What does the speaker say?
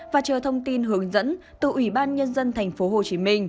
và chờ thông tin hướng dẫn từ ủy ban nhân dân tp hcm